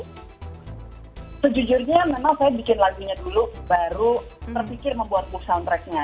sejujurnya memang saya bikin lagunya dulu baru terpikir membuat buku soundtracknya